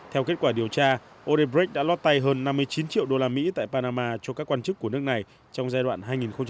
theo kết quả điều tra odebrecht đã lót tay hơn năm mươi chín triệu đô la mỹ tại panama cho các quan chức của nước này trong giai đoạn hai nghìn một mươi hai nghìn một mươi bốn